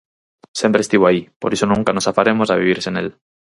Sempre estivo aí por iso nunca nos afaremos a vivir sen el.